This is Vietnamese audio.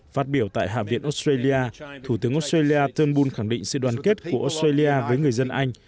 phát biểu tại hạ viện australia thủ tướng australia tơn bul khẳng định sự đoàn kết của australia với người dân anh